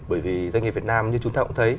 bởi vì doanh nghiệp việt nam như chúng ta cũng thấy